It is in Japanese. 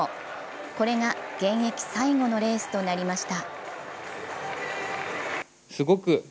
これが現役最後のレースとなりました。